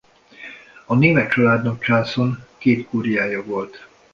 A Németh családnak Császon két kúriája volt.